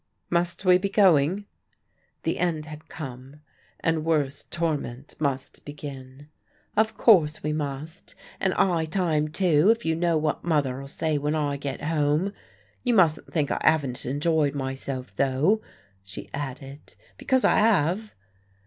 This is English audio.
"Must we be going?" The end had come and worse torment must begin. "Of course we must; and 'igh time too, if you knew what mother'll say when I get home. You mustn't think I 'aven't enjoyed myself, though," she added, "because I 'ave."